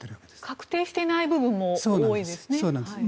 確定していない部分も多いですね。